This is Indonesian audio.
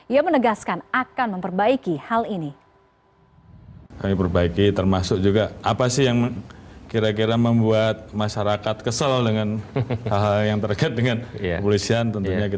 ia menegaskan akan memperbaiki hal ini